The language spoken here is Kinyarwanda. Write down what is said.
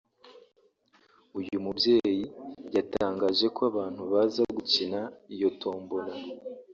uyu mubyeyi yatangaje ko abantu baza gukina iyo tombola